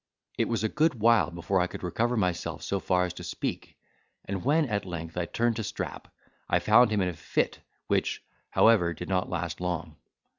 It was a good while before I could recover myself so far as to speak; and, when at length I turned to Strap, I found him in a fit, which, however, did not last long.